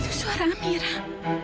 itu suara amirah